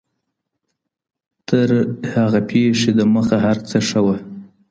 تر هغې پېښي دمخه هر څه ښه وه.